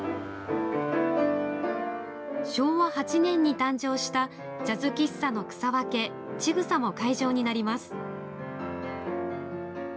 昭和８年に誕生したジャズ喫茶の草分け「ちぐさ」も会場になります。